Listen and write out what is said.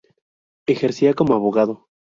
Ejercía como abogado.